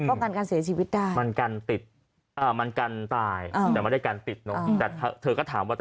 ป้องกันเสียชีวิตต่างหากการติดก็ถามว่า